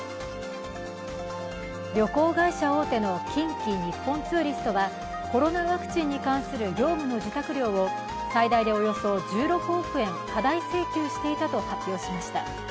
旅行会社大手の近畿日本ツーリストがコロナワクチンに関する業務の受託料を最大でおよそ１６億円過大請求していたと発表しました。